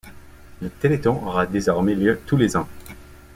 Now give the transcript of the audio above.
Le Téléthon aura désormais lieu tous les ans.